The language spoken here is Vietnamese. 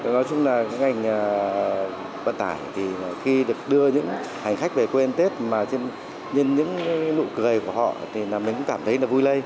nói chung là ngành vận tải thì khi được đưa những hành khách về quê hên tết mà nhìn những nụ cười của họ thì mình cũng cảm thấy vui lây